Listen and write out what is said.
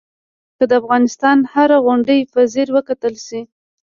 که د افغانستان هره غونډۍ په ځیر وکتل شي.